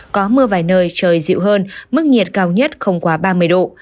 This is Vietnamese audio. có mưa vài nơi trời dịu hơn mức nhiệt cao nhất không quá ba mươi độ